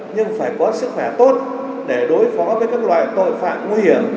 nhưng phải có sức khỏe tốt để đối phó với các loại tội phạm nguy hiểm